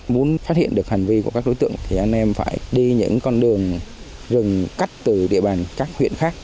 muốn phát hiện được hành vi của các đối tượng thì anh em phải đi những con đường rừng cắt từ địa bàn các huyện khác